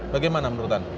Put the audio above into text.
bagaimana menurut anda